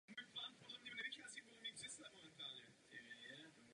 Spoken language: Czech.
Od svého návratu do Albánie žije v hlavním městě Tirana.